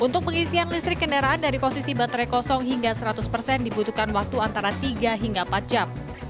untuk pengisian listrik kendaraan dari posisi baterai kosong hingga seratus persen dibutuhkan waktu antara tiga hingga empat jam